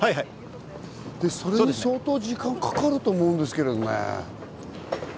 それに相当時間がかかると思うんですけどね。